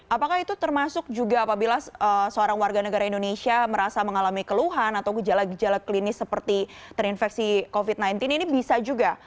apakah itu termasuk juga apabila seorang warga negara indonesia merasa mengalami keluhan atau gejala gejala klinis seperti terinfeksi covid sembilan belas ini bisa juga